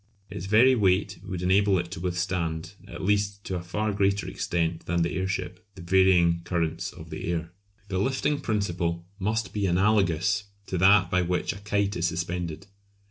Its very weight would enable it to withstand, at least to a far greater extent than the airship, the varying currents of the air. The lifting principle must be analogous to that by which a kite is suspended.